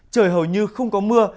trời hầu như không có mưa